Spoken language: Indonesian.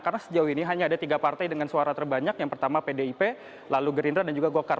karena sejauh ini hanya ada tiga partai dengan suara terbanyak yang pertama pdip lalu gerindra dan juga golkar